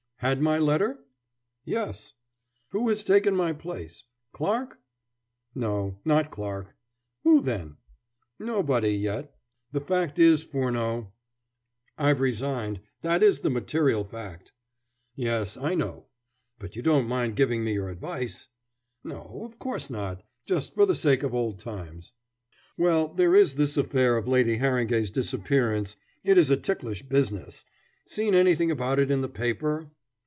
"Had my letter?" "Yes." "Who has taken my place Clarke?" "No, not Clarke." "Who, then?" "Nobody, yet. The fact is, Furneaux " "I've resigned that is the material fact." "Yes, I know. But you don't mind giving me your advice." "No, of course not just for the sake of old times." "Well, there is this affair of Lady Harringay's disappearance. It is a ticklish business. Seen anything about it in the paper?"